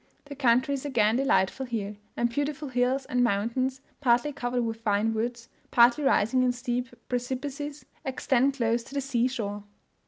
The country is again delightful here, and beautiful hills and mountains, partly covered with fine woods, partly rising in steep precipices, extend close to the sea shore.